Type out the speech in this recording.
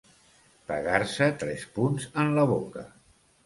Pegar-se tres punts en la boca.